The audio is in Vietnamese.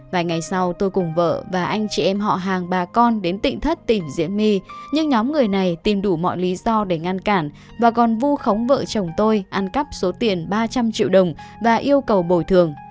vài ngày sau tôi cùng vợ và anh chị em họ hàng bà con đến tịnh thất tìm diễm my nhưng nhóm người này tìm đủ mọi lý do để ngăn cản và còn vu khống vợ chồng tôi ăn cắp số tiền ba trăm linh triệu đồng và yêu cầu bồi thường